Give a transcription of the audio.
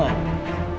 aku akan menemukanmu